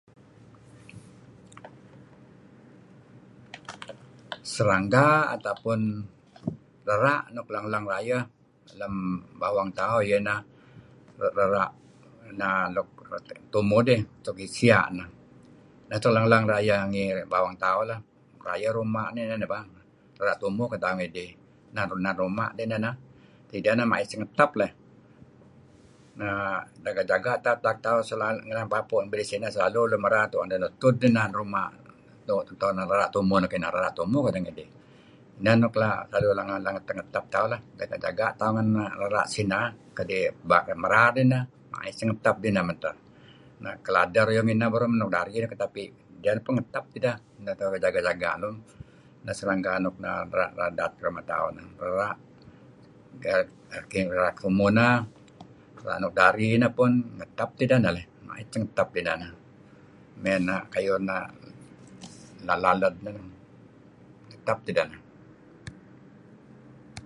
Serangga atau pun rera' nuk leng-leng rayeh lem bawang tauh iyeh ineh rera' na luk tumuh dih luk sia' neh. neh luk leng-leng rayeh lem bawang tauh lah. Rayeh ruma' neh bah. Rera' tumuh ken tauh ngidih, naru' ruma ideh neh, ideh neh ma'it sengetep leh err jaga'-jaga' teh utak papu' ngan nuk midih sineh, selalu tu'en deh nutud inan ruma' rera' tumuh, rera' tumuh kedeh ngidih, neh nuk la' ngetep-ngetep tauh lah, jaga'-jaga' tauh ngen rera' sineh kadi' merar deh ineh ma'it sengetep deh meh teh. Keladeh ruyung ineh beruh kadi dari keladeh tapi ngetep tideh, tauh mesti jaga'-jaga' lum. Neh serangga nuk ba da'et-da'et ruma' tauh neh, rera' tumuh neh, rera' nuk dari neh peh ngetep tideh neh leh, ma'it sengetep deh, mey na' kayu' na' laled, ngetep tideh neh.